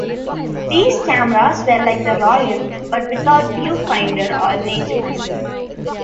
These cameras were like the Royal but without viewfinder or rangefinder.